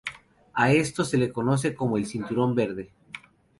A esto se le conoce como "El cinturón verde".